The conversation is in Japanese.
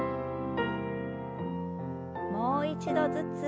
もう一度ずつ。